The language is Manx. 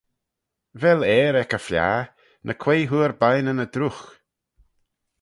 Vel ayr ec y fliaghey? ny quoi hooar bineyn y druight.